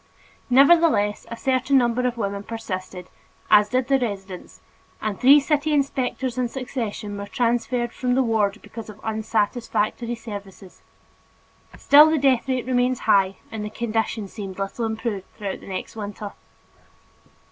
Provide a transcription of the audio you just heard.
Nevertheless, a certain number of women persisted, as did the residents, and three city inspectors in succession were transferred from the ward because of unsatisfactory services. Still the death rate remained high and the condition seemed little improved throughout the next winter.